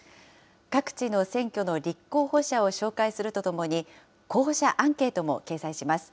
各地の選挙の立候補者を紹介するとともに、候補者アンケートも掲載します。